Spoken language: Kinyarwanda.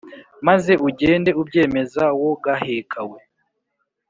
Maze ugende ubyemeza wo gaheka we